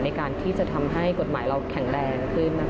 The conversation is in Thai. ในการที่จะทำให้กฎหมายเราแข็งแรงขึ้น